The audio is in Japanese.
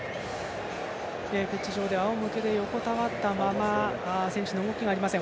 ピッチ上であおむけで横たわったまま選手の動きがありません。